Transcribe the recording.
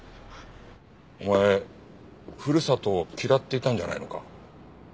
お前ふるさとを嫌っていたんじゃないのか？